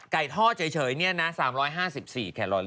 ท่อเฉยเนี่ยนะ๓๕๔แคลอรี่